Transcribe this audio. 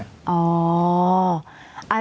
อาจารย์